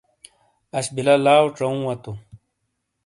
اݜ بلا لاؤ ڇاوہ واتو۔